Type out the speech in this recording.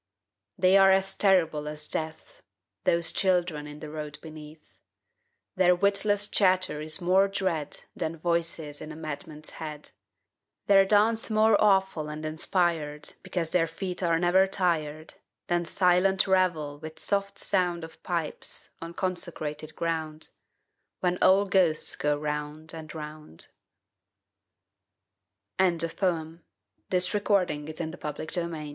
They are as terrible as death, Those children in the road beneath. Their witless chatter is more dread Than voices in a madman's head: Their dance more awful and inspired, Because their feet are never tired, Than silent revel with soft sound Of pipes, on consecrated ground, When all the ghosts go round and round. OPPORTUNITY (from Machiavelli.) "But who art thou, w